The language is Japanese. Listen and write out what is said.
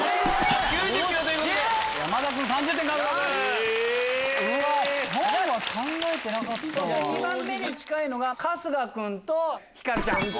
２番目に近いのが春日君とひかるちゃん。